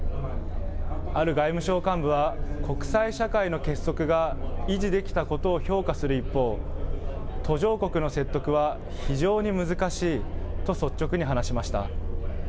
ある外務省幹部は、国際社会の結束が維持できたことを評価する一方、途上国の説得は非常に難しいと率直に話しました。